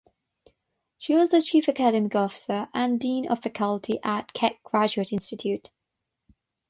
She was the Chief Academic Officer and Dean of Faculty at Keck Graduate Institute.